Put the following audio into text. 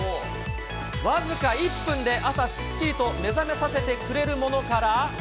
僅か１分で朝すっきりと目覚めさせてくれるものから。